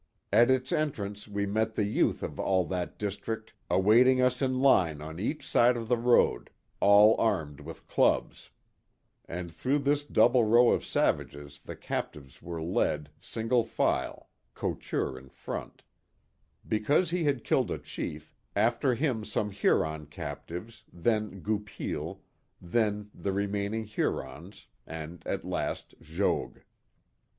At its entrance we met the youth of all that district awaiting us in line on each side of the road, all armed with clubs, and through this double row of savages the captives were led, single file, Couture in front; because he had killed a chief, after him some Huron captives, then Goupil, then the remain ing Hurons, and at last Jogues.